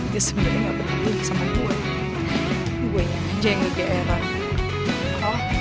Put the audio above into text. dia sebenarnya enggak peduli sama gue gue yang aja yang nge ge eran